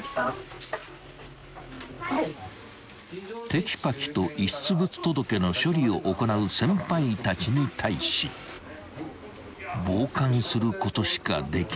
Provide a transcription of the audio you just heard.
［テキパキと遺失物届の処理を行う先輩たちに対し傍観することしかできない黒田］